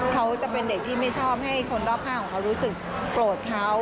เขาจะเป็นเด็กที่ไม่ชอบให้คนรอบข้างของเขารู้สึกโกรธเขา